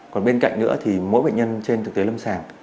còn bên cạnh nữa thì mỗi bệnh nhân trên thực tế lâm sàng